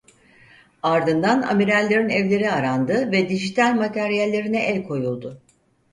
Ardından amirallerin evleri arandı ve dijital materyallerine el koyuldu.